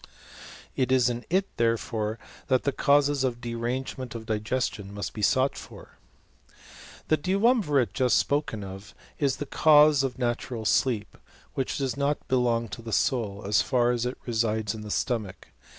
It is in it, therefore, that the causes of derangement of digestion must be sought for. The duumvirate just spoken of is the cause of natural sleep, which does not belong to the soul, as far as it resides in the stomach.